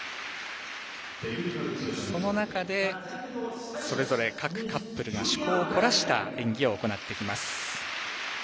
その中でそれぞれ各カップルが趣向を凝らした演技を行っていきます。